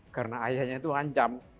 karena ayahnya tuh ancam